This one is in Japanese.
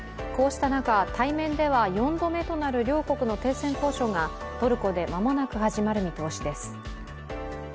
こうした中、対面では４度目度となる両国の停戦交渉がトルコで間もなく始まる見通しです。